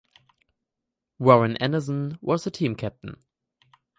Warren Anderson was the team captain.